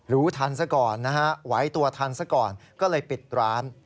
รู้ทันซะก่อนนะฮะไหวตัวทันซะก่อนก็เลยปิดร้าน